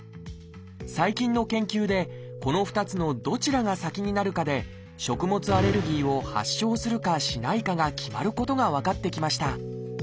最近の研究でこの２つのどちらが先になるかで食物アレルギーを発症するかしないかが決まることが分かってきました。